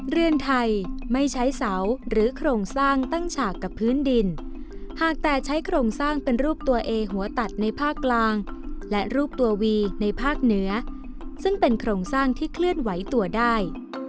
เรือนไทยไม่ใช้เสาหรือโครงสร้างตั้งฉากกับพื้นดินหากแต่ใช้โครงสร้างเป็นรูปตัวเองหัวตัดในภาคกลางและรูปตัววีในภาคเหนือซึ่งเป็นโครงสร้างที่เคลื่อนไหวตัวได้